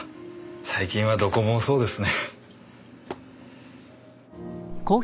最近はどこもそうですね。